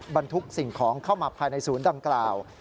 บรรทุกสิ่งของเข้ามาภายในศูนย์ดังกล่าว